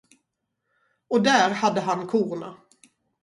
Och där hade han korna.